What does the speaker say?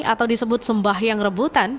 atau disebut sembah yang rebutan